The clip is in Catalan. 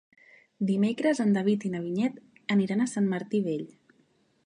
Dimecres en David i na Vinyet aniran a Sant Martí Vell.